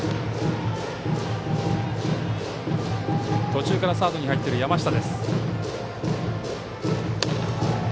途中からサードに入っている山下。